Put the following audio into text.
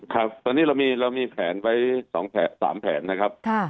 ครับตอนนี้เรามีแผนไว้๒แผน๓แผนนะครับ